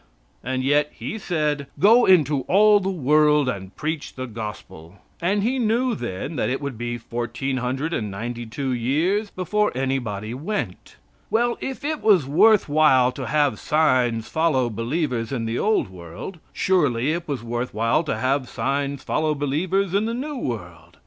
And yet he said, "Go into all the world and preach the gospel," and he knew then that it would be 1,492 years before anybody went. Well, if it was worth while to have signs follow believers in the old world, surely it was worth while to have signs follow believers in the new world.